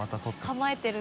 構えてるな。